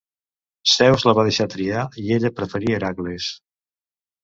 Zeus la va deixar triar i ella preferí Hèracles.